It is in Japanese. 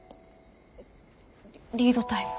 リードタイム。